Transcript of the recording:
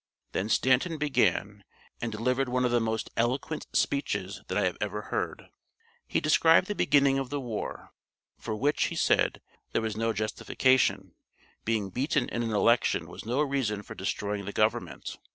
Then Stanton began, and delivered one of the most eloquent speeches that I ever heard. He described the beginning of the war, for which, he said, there was no justification; being beaten in an election was no reason for destroying the Government.